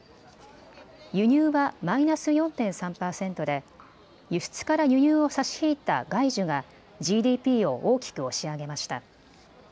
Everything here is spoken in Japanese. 輸入はマイナス４．３％で輸出から輸入を差し引いた外需がＧＤＰを大きく押し上げました。